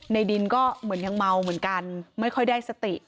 ในดินก็เหมือนยังเมาเหมือนกันไม่ค่อยได้สติ